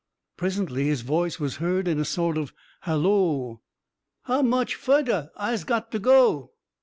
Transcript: Presently his voice was heard in a sort of halloo. "How much fudder is got for go?"